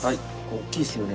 おっきいですよね。